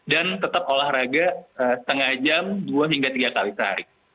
dan tetap olahraga setengah jam dua hingga tiga kali sehari